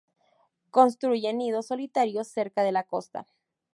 Construyen nidos solitarios cerca de la costa.